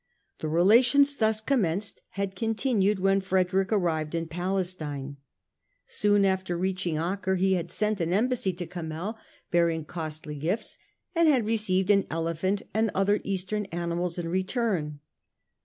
The relations thus commenced had continued when Frederick arrived in Palestine. Soon after reaching THE EXCOMMUNICATE CRUSADER 93 Acre, he had sent an embassy to Kamel bearing costly gifts, and had received an elephant and other Eastern animals in return.